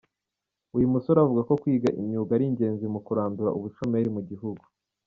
Uyu musore avuga ko kwiga imyuga ari ingenzi mu kurandura ubushomeri mu gihugu.